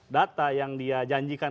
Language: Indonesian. data yang dia janjikan